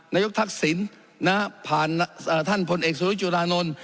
นายกทักษิณนะครับผ่านท่านพลเอกสุริยุดาโน้น